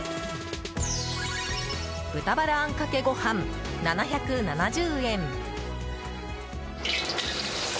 豚バラあんかけご飯、７７０円。